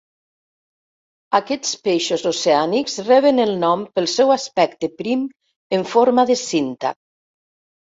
Aquests peixos oceànics reben el nom pel seu aspecte prim en forma de cinta.